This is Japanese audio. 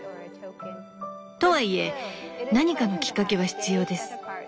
とはいえ何かのきっかけは必要です。